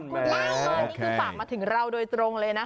ขอบคุณมากคุณฝากมาถึงเราโดยตรงเลยนะคะ